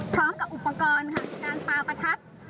พร้อมกับอุปกรณ์การปลาประทับ